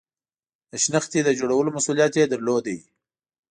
د شنختې د جوړولو مسئولیت یې درلود.